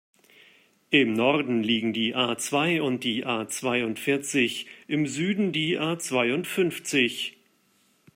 Im Norden liegen die A-zwei und die A-zweiundvierzig, im Süden die A-zweiundfünfzig.